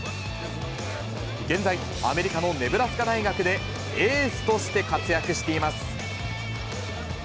現在、アメリカのネブラスカ大学でエースとして活躍しています。